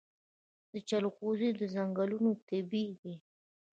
د جلغوزیو ځنګلونه طبیعي دي؟